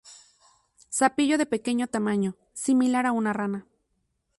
Sapillo de pequeño tamaño, similar a una rana.